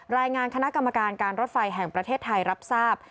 รายงานคณะกรรมการการรถไฟแห่งประเทศไทยรับทราบ